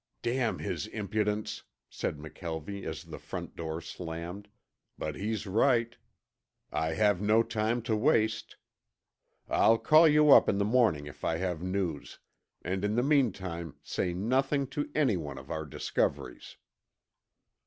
"Damn his impudence," said McKelvie as the front door slammed, "but he's right. I have no time to waste. I'll call you up in the morning if I have news, and in the meantime say nothing to anyone of our discoveries."